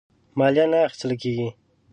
مالیه نه اخیستله کیږي.